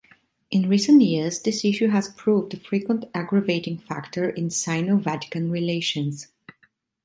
In recent years, this issue has proved a frequent aggravating factor in Sino-Vatican relations.